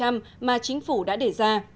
mà chính phủ đã để ra